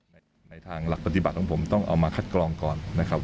ในทางหลักปฏิบัติของผมต้องเอามาคัดกรองก่อนนะครับ